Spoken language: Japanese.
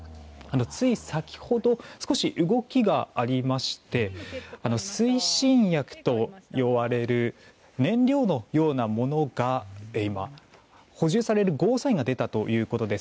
つい先ほど少し動きがありまして推進薬と呼ばれる燃料のようなものが今、補充されるゴーサインが出たということです。